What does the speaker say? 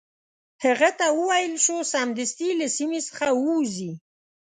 هغه ته وویل شو سمدستي له سیمي څخه ووزي.